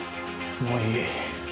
もういい。